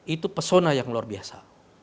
itu pesona yang luar biasa